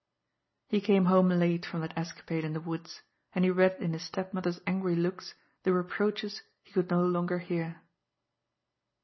He came home late from that escapade in the woods, and he read in his stepmother's angry looks the reproaches he could no longer hear.